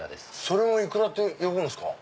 それもイクラって呼ぶんすか？